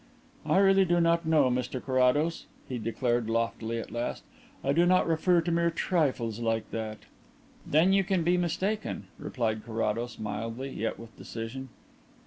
"I really do not know, Mr Carrados," he declared loftily at last. "I do not refer to mere trifles like that." "Then you can be mistaken," replied Carrados mildly yet with decision.